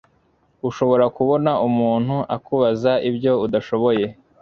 ushobora kubona umuntu akubaza ibyo udashoboye